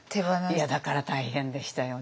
いやだから大変でしたよ。